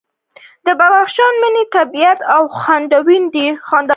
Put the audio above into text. د بدخشان مڼې طبیعي او خوندورې دي.